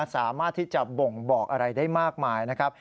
สามารถที่จะบ่งบอกอะไรได้มากมายนะครับ